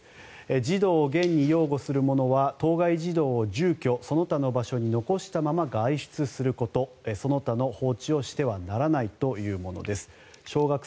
児童を現に擁護する者は当該児童を住居その他の場所に残したまま外出することその他の放置をしてはならないとしています。